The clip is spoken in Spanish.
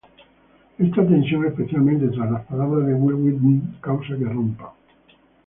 Esta tensión, especialmente tras las palabras de Wil Wheaton, causa que rompan.